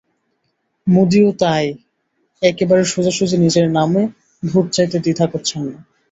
মোদিও তাই একেবারে সোজাসুজি নিজের নামে ভোট চাইতে দ্বিধা করছেন না।